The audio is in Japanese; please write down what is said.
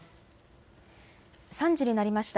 ３時になりました。